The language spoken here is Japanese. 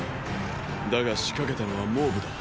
だが仕掛けたのは蒙武だ。